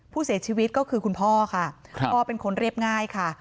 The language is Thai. ผู้เสียชีวิตก็คือคุณพ่อค่ะพ่อเป็นคนเรียบง่ายค่ะ